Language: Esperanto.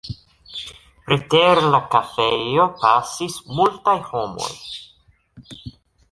Preter la kafejo pasis multaj homoj.